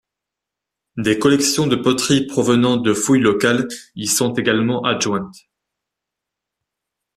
Des collections de poteries provenant de fouilles locales y sont également adjointes.